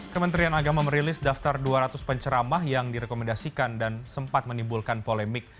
kementerian agama merilis daftar dua ratus penceramah yang direkomendasikan dan sempat menimbulkan polemik